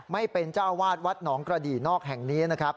ไม่เป็นเจ้าวาดวัดหนองกระดี่นอกแห่งนี้นะครับ